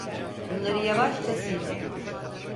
Bunları yavaşça sildim.